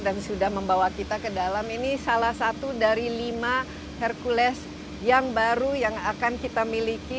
dan sudah membawa kita ke dalam ini salah satu dari lima hercules yang baru yang akan kita miliki